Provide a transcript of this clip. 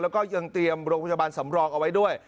แล้วก็ยังเตรียมโรงพยาบาลสำรองเอาไว้ด้วย